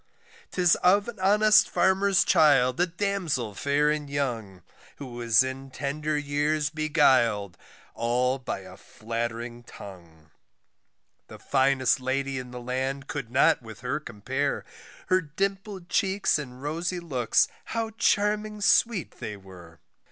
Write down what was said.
'Tis of an honest farmer's child, a damsel fair and young, Who was in tender years beguil'd all by a flattering tongue, The finest lady in the land could not with her compare, Her dimpled cheeks and rosy looks how charming sweet they were.